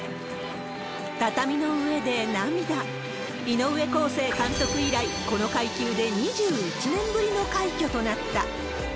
井上康生監督以来、この階級で２１年ぶりの快挙となった。